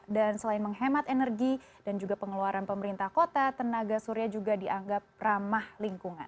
dan selain menghemat energi dan juga pengeluaran pemerintah kota tenaga surya juga dianggap ramah lingkungan